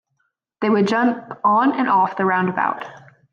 They would jump on and off the roundabout.